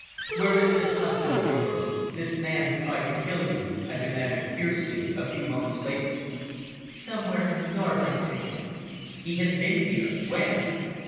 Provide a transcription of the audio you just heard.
"Where is this husband of yours this man who tried to kill you?" I demanded fiercely a few moments later. "Somewhere in the North, I think." "He has been here. When?"